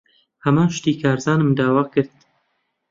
ھەمان شتی کارزانم داوا کرد.